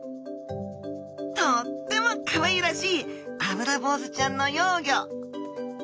とってもかわいらしいアブラボウズちゃんの幼魚。